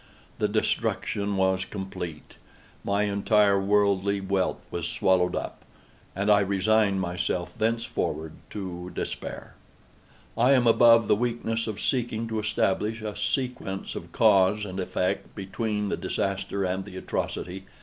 The destruction was complete. My entire worldly wealth was swallowed up, and I resigned myself thenceforward to despair. I am above the weakness of seeking to establish a sequence of cause and effect, between the disaster and the atrocity.